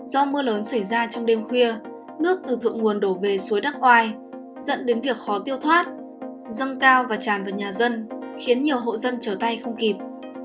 do mưa lớn xảy ra trong đêm khuya nước từ thượng nguồn đổ về suối đắc oai dẫn đến việc khó tiêu thoát dâng cao và tràn vào nhà dân khiến nhiều hộ dân trở tay không kịp